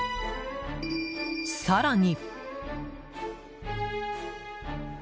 更に。